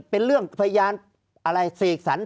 ภารกิจสรรค์ภารกิจสรรค์